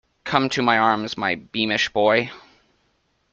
Come to my arms, my beamish boy!